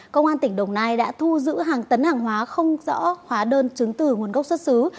công an tỉnh đồng nai đã thu giữ hàng tấn hàng hóa không rõ hóa đơn chứng từ nguồn gốc xuất xứ